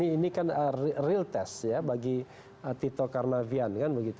ini kan real test ya bagi tito karnavian